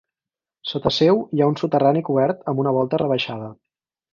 Sota seu hi ha un soterrani cobert amb una volta rebaixada.